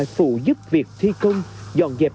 phụ giúp việc thi công dọn dẹp